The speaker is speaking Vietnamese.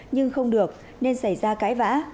nhưng không được nên xảy ra cãi vã